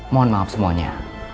mohon maaf semuanya